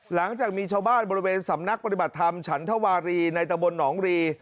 หลังจากมีชาวบ้านบริเวณสำนักปฏิบัติธรรมฉันทวารีในตะบนหนองรี